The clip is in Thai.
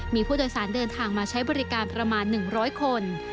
มีผู้โดยสารเดินทางมาใช้บริการประมาณ๑๐๐คน